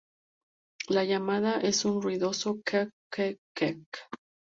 La llamada es un ruidoso `kek-kek-kek-kek`.